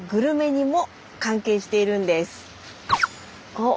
おっ。